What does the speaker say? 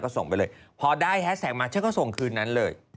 ส่งไปเลยพอได้แฮสแท็กมาฉันก็ส่งคืนนั้นเลย